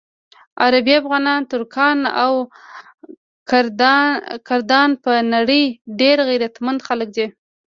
عرب، افغانان، ترکان او کردان په نړۍ ډېر غیرتمند خلک دي.